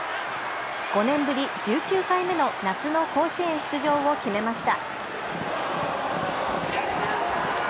５年ぶり、１９回目の夏の甲子園出場を決めました。